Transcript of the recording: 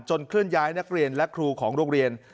เคลื่อนย้ายนักเรียนและครูของโรงเรียน